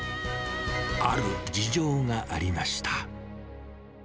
ある事情がありました。